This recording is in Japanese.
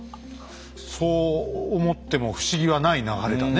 そう思っても不思議はない流れだね